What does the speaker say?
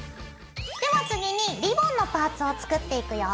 では次にリボンのパーツを作っていくよ。